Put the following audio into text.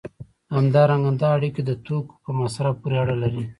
همدارنګه دا اړیکې د توکو په مصرف پورې اړه لري.